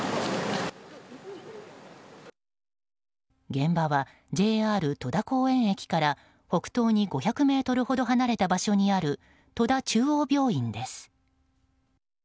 現場はＪＲ戸田公園駅から北東に５００ｍほど離れた場所にある戸田中央病院です。